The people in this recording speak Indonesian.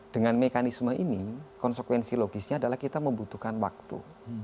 dengan mekanisme ini konsekuensi logisnya adalah kita membutuhkan waktu